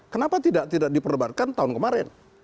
kenapa tidak diperdebatkan tahun kemarin